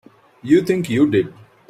You think you did.